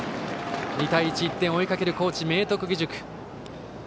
２対１と１点を追いかける高知・明徳義塾。